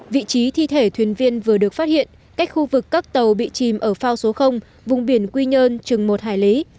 vị trí thi thể thuyền viên vừa được phát hiện cách khu vực các tàu bị chìm ở phao số vùng biển quy nhơn chừng một hải lý